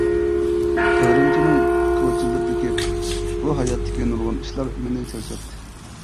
ئۈرۈمچىنىڭ كوچىلىرىدىكى. بۇ ھاياتتىكى نۇرغۇن ئىشلار مېنى چارچاتتى.